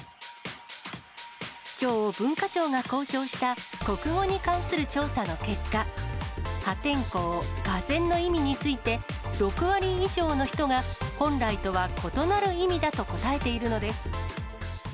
きょう、文化庁が公表した国語に関する調査の結果、破天荒、がぜんの意味について、６割以上の人が本来とは異なる意味だと答えているのです。